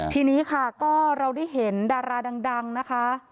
ทีนี้ค่ะก็เราได้เห็นดาราดังนะคะ